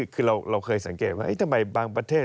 คือเราเคยสังเกตว่าทำไมบางประเทศ